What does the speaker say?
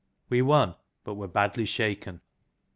We won, but were badly shaken.